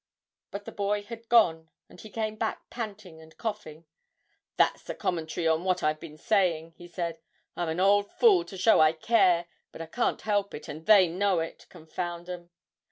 But the boy had gone, and he came back panting and coughing: 'That's a commentary on what I've been saying,' he said; 'I'm an old fool to show I care but I can't help it, and they know it, confound 'em!